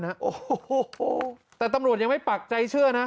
โอ้โหแต่ตำรวจยังไม่ปักใจเชื่อนะ